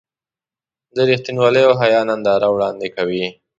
د رښتینولۍ او حیا ننداره وړاندې کوي.